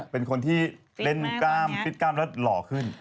เป็นคนที่เล่นกล้ามฟิตกล้ามแล้วหล่อขึ้น